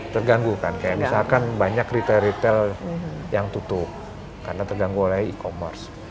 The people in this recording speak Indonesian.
terganggu kan kayak misalkan banyak retail retail yang tutup karena terganggu oleh e commerce